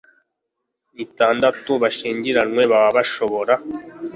n'itandatu bashyingiranywe baba bashobora